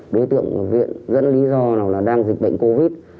đối tượng viện dẫn lý do nào là đang dịch bệnh covid